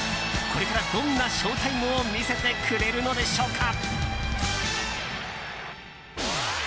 これからどんなショウタイムを見せてくれるのでしょうか。